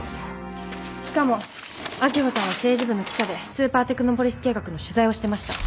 しかも秋穂さんは政治部の記者でスーパーテクノポリス計画の取材をしてました。